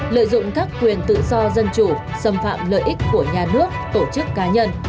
lợi dụng các quyền tự do dân chủ xâm phạm lợi ích của nhà nước tổ chức cá nhân